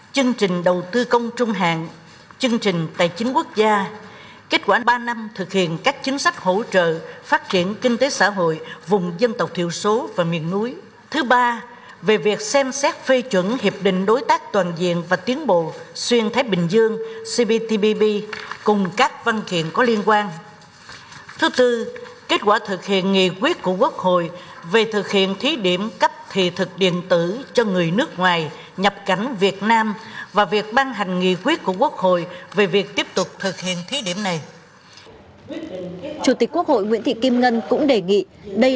chương trình mục tiêu quốc gia các chương trình mục tiêu quốc gia các chương trình mục tiêu quốc gia các chương trình mục tiêu quốc gia